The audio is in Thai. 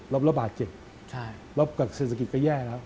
ระบาดเจ็บลบกับเศรษฐกิจก็แย่แล้ว